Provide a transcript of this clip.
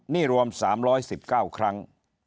นี่รวม๓๑๙ครั้ง